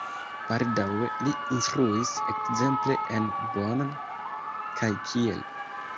Baldaŭe li instruis ekzemple en Bonn kaj Kiel.